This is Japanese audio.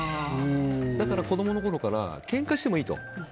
だから子供のころからけんかしてもいいと。